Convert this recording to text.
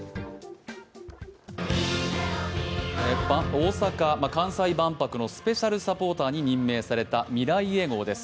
大阪・関西万博のスペシャルサポーターになった「みらいへ号」です。